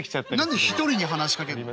何で１人に話しかけんの？